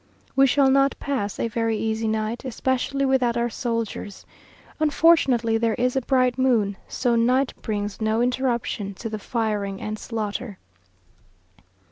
We shall not pass a very easy night, especially without our soldiers. Unfortunately there is a bright moon, so night brings no interruption to the firing and slaughter.